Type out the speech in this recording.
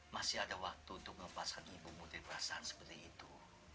masih ada waktu untuk melepaskan ibu putri perasaan seperti itu